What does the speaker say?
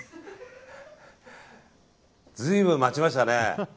随分待ちましたね。